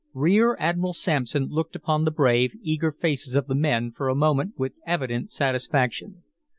Rear Admiral Sampson looked upon the brave, eager faces of the men for a moment with evident satisfaction.